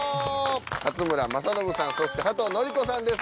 勝村政信さんそして加藤紀子さんです。